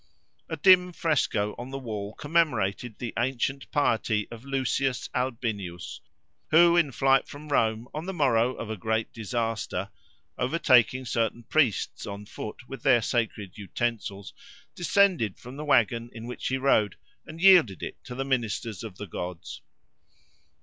A dim fresco on the wall commemorated the ancient piety of Lucius Albinius, who in flight from Rome on the morrow of a great disaster, overtaking certain priests on foot with their sacred utensils, descended from the wagon in which he rode and yielded it to the ministers of the gods.